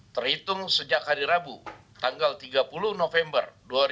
terhitung sejak hari rabu tanggal tiga puluh november dua ribu dua puluh